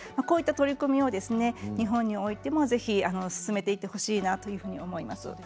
こういった取り組みを日本においてもぜひ進めていってほしいなと思います。